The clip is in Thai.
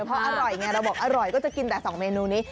เพราะอร่อยไงเดี๋ยวเราบอกอร่อยก็จะกินเนื่อยนี้